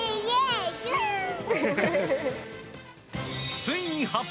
ついに発表。